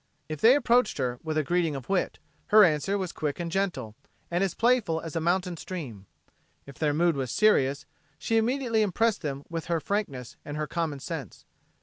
If they approached her with a greeting of wit, her answer was quick and gentle, and as playful as a mountain stream. If their mood was serious, she immediately impressed them with her frankness and her common sense.